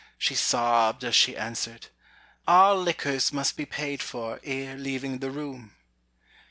She sobbed, as she answered, "All liquors Must be paid for ere leaving the room."